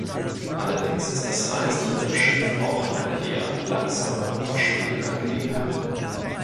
Allerdings ist das Reisen mit dem Schiff auch eine eher langsame und kostspielige Angelegenheit.